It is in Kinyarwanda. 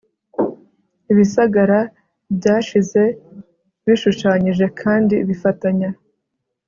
ibisagara byashize, bishushanyije kandi bifatanye